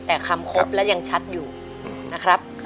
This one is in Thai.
แต่คำครบและยังชัดอยู่นะครับ